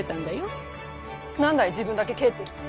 何だい自分だけ帰ってきて。